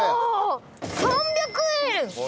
３００円。